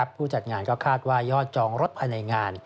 ผู้จัดงานก็คาดว่ายอดจองรถภายในงาน